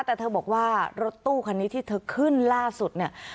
แต่เธอบอกว่ารถตู้คันนี้ที่เธอขึ้นล่าสุดเนี่ย